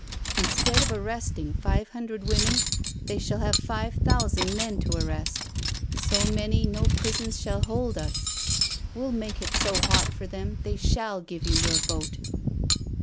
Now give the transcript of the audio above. Instead of arresting five hundred 3o8 NO SURRENDER women, they shall have five thousand men to arrest, so many, no prisons shall hold us. We'll make it so hot for them, they shall give you your vote.